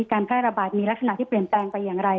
การแพร่ระบาดมีลักษณะที่เปลี่ยนแปลงไปอย่างไร